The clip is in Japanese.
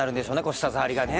舌触りがね。